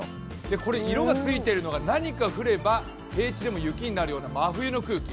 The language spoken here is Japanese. これ、色がついているのが何か降れば平地でも雪になるような真冬の空気。